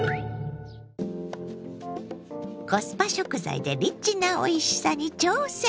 コスパ食材でリッチなおいしさに挑戦！